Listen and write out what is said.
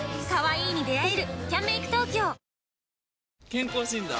健康診断？